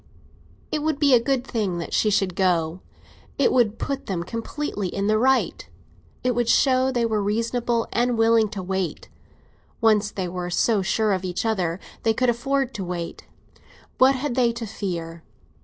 It would be a good thing that she should go; it would put them completely in the right. It would show they were reasonable and willing to wait. Once they were so sure of each other, they could afford to wait—what had they to fear?